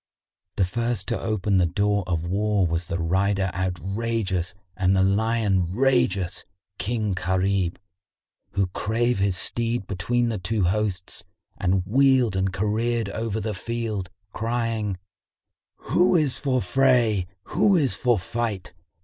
The first to open the door of war was the rider outrageous and the lion rageous, King Gharib, who drave his steed between the two hosts and wheeled and careered over the field, crying, "Who is for fray, who is for fight?